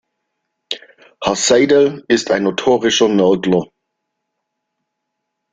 Herr Seidel ist ein notorischer Nörgler.